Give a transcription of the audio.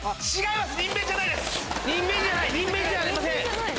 にんべんじゃありません。